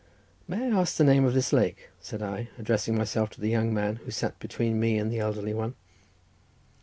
"May I ask the name of this lake?" said I, addressing myself to the young man, who sat between me and the elderly one.